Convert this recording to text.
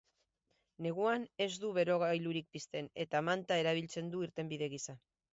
Neguan ez du berogailurik pizten, eta manta erabiltzen du irtenbide gisa.